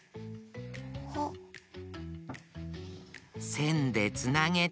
せんでつなげて。